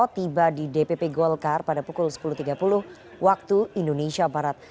tiba di dpp golkar pada pukul sepuluh tiga puluh waktu indonesia barat